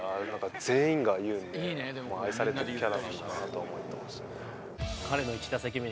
全員が言うんで愛されてるキャラなんだなとは思ってました。